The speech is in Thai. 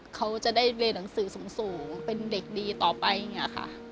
เขาจะได้เรียนหนังสือสูงเป็นเด็กดีต่อไปอย่างนี้ค่ะ